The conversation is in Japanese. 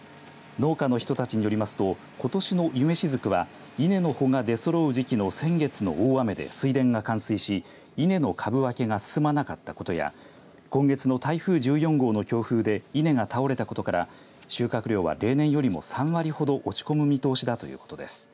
農家の人たちによりますとことしの夢しずくは稲の穂が出そろう時期の先月の大雨で水田が冠水し稲の株分けが進まなかったことや今月の台風１４号の強風で稲が倒れたことから収穫量は例年よりも３割ほど落ち込む見通しだということです。